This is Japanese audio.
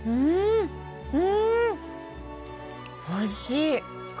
おいしい。